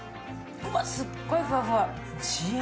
うわ、すっごいふわふわ。